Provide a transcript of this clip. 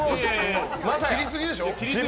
切りすぎでしょ。